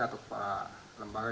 atau para lembaga